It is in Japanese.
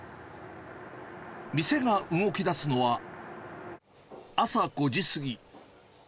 店が動きだすのは、朝５時過ぎ。